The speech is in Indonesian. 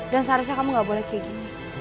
dan seharusnya kamu gak boleh kayak gini